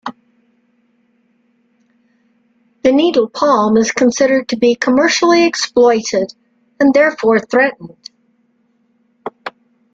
The needle palm is considered to be commercially exploited and therefore threatened.